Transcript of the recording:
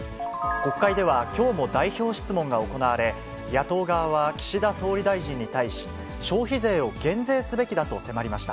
国会ではきょうも代表質問が行われ、野党側は岸田総理大臣に対し、消費税を減税すべきだと迫りました。